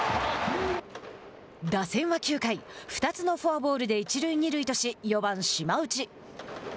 打線は９回２つのフォアボールで一塁二塁とし４番島内。